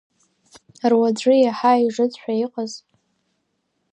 Руаӡәы иаҳа ижыцәшәа иҟаз…